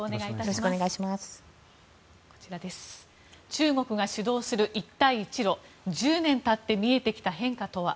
中国が主導する一帯一路１０年経って見えてきた変化とは。